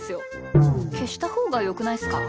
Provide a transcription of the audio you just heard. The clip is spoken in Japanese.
けしたほうがよくないっすか？